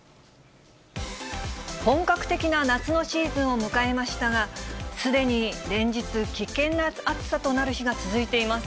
本格的な夏のシーズンを迎えましたが、すでに連日、危険な暑さとなる日が続いています。